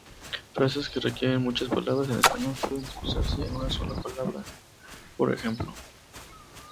Frases que requieren muchas palabras en español pueden expresarse en una sola palabra, p.ej.